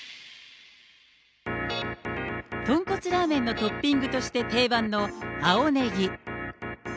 豚骨ラーメンのトッピングとして定番の青ネギ。